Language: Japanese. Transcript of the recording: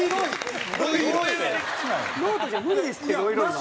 ノートじゃ無理ですってロイロイは。